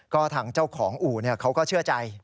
ก็ทางเจ้าของอู่เขาก็เชื่อใจ